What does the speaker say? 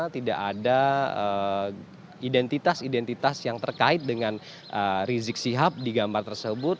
tidak ada identitas identitas yang terkait dengan rizik sihab di gambar tersebut